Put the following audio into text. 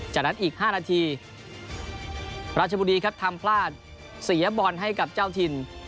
จากนั้นอีก๕นาทีราชบุรีครับทำพลาดเสียบอลให้กับเจ้าถิ่น